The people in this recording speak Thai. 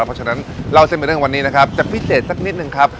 เพราะฉะนั้นเล่าเส้นเป็นเรื่องวันนี้นะครับจะพิเศษสักนิดนึงครับ